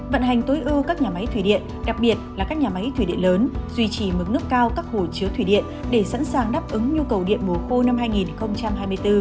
vận hành tối ưu các nhà máy thủy điện đặc biệt là các nhà máy thủy điện lớn duy trì mức nước cao các hồ chứa thủy điện để sẵn sàng đáp ứng nhu cầu điện mùa khô năm hai nghìn hai mươi bốn